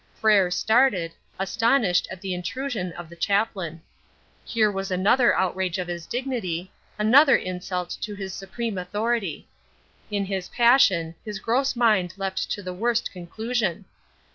Frere started, astonished at the intrusion of the chaplain. Here was another outrage of his dignity, another insult to his supreme authority. In its passion, his gross mind leapt to the worst conclusion.